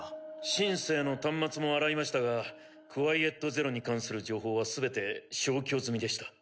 「シン・セー」の端末も洗いましたがクワイエット・ゼロに関する情報は全て消去済みでした。